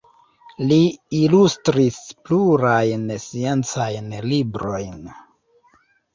Li ilustris plurajn sciencajn librojn.